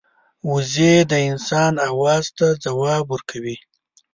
وزې د انسان آواز ته ځواب ورکوي